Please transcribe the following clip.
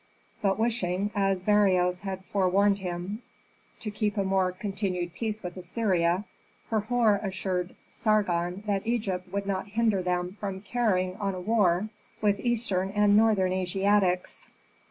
But wishing, as Beroes had forewarned him, to keep a more continued peace with Assyria, Herhor assured Sargon that Egypt would not hinder them from carrying on a war with eastern and northern Asiatics.